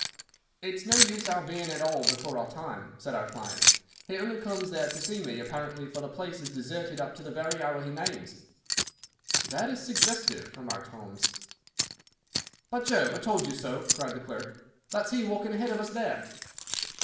"It is no use our being at all before our time," said our client. "He only comes there to see me, apparently, for the place is deserted up to the very hour he names." "That is suggestive," remarked Holmes. "By Jove, I told you so!" cried the clerk. "That's he walking ahead of us there."